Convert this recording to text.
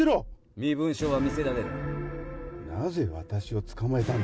身分証は見せられない。